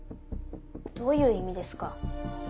どういう意味ですか？